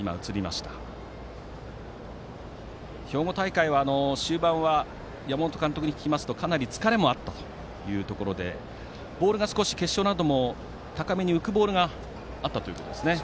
兵庫大会、終盤は山本監督に聞きますとかなり疲れもあったというところでボールが少し決勝でも高めに浮くボールがあったということですね。